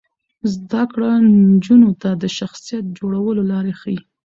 زده کړه نجونو ته د شخصیت جوړولو لارې ښيي.